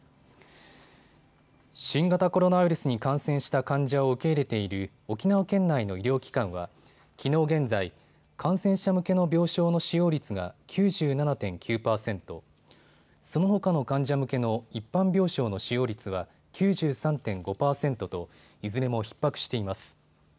新型コロナウイルスに感染した患者を受け入れている沖縄県内の医療機関はきのう現在、感染者向けの病床の使用率が９７．９％、そのほかの患者向けの一般病床の使用率は９３．５％といずれもひっ迫しています。